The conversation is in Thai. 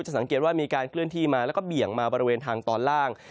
สังเกตว่ามีการเคลื่อนที่มาแล้วก็เบี่ยงมาบริเวณทางตอนล่าง